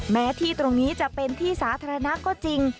แม้ที่ตรงนี้จะเป็นที่สาธารณะก็จริง